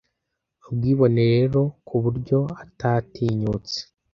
ubwibone rero ku buryo atatinyutse